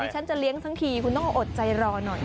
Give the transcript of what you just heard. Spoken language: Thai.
ฉันจะเลี้ยงทั้งทีคุณต้องอดใจรอหน่อย